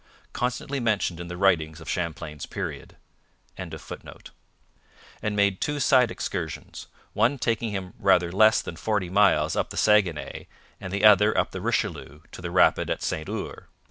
Constantly mentioned in the writings of Champlain's period.] and made two side excursions one taking him rather less than forty miles up the Saguenay and the other up the Richelieu to the rapid at St Ours.